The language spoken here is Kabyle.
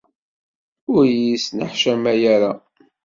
Ur iyi-sneḥcamay ara.